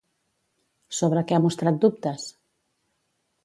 Sobre què ha mostrat dubtes?